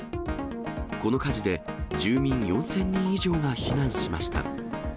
この火事で、住民４０００人以上が避難しました。